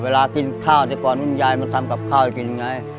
เวลากินข้าวแต่ก่อนต้องยายมาทำกับข้าวกินไง